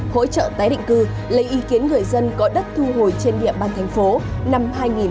hỗ trợ tái định cư lấy ý kiến người dân có đất thu hồi trên địa bàn thành phố năm hai nghìn hai mươi